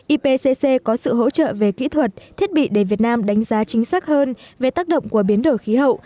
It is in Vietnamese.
ipcc có sự hỗ trợ về kỹ thuật thiết bị để việt nam đánh giá chính xác hơn về tác động của biến đổi khí hậu